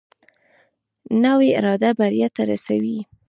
نوې اراده بریا ته رسوي